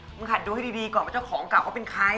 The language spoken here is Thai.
หัดดูให้ดีก่อนว่าเจ้าของเก่าเขาเป็นใคร